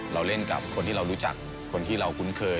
เราเล่นกับคนที่เรารู้จักคนที่เราคุ้นเคย